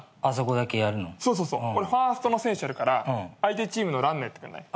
俺ファーストの選手やるから相手チームのランナーやってくんない？